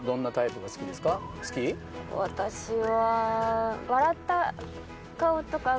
私は。